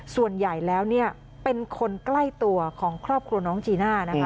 ส่วนใหญ่แล้วเป็นคนใกล้ตัวของครอบครัวน้องจีน่านะคะ